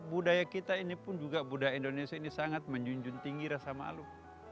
budaya kita ini pun juga budaya indonesia ini sangat menjunjung tinggi rasa malu